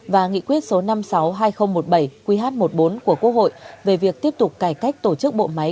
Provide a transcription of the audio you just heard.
và nghị quyết số năm trăm sáu mươi hai nghìn một mươi bảy qh một mươi bốn của quốc hội về việc tiếp tục cải cách tổ chức bộ máy